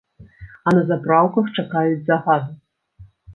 А на запраўках чакаюць загаду.